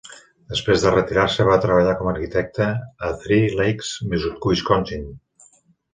Després de retirar-se, va treballar com a arquitecte a Three Lakes, Wisconsin.